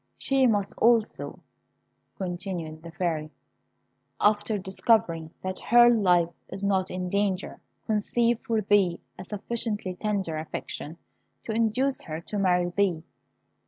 She must also," continued the Fairy, "after discovering that her life is not in danger, conceive for thee a sufficiently tender affection to induce her to marry thee.